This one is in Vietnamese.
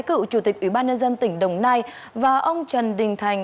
cựu chủ tịch ủy ban nhân dân tỉnh đồng nai và ông trần đình thành